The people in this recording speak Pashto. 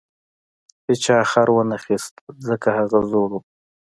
هیچا خر ونه خیست ځکه هغه زوړ و.